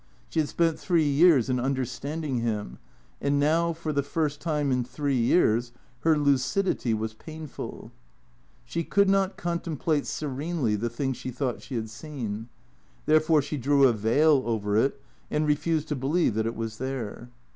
She had spent three years in understanding him. And now, for the first time in three years, her lucidity was painful. She could not contemplate serenely the thing she thought she had seen. Therefore she drew a veil over it and refused to believe that it was there.